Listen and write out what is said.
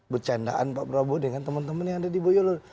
bercandaan pak prabowo dengan teman teman yang ada di boyolali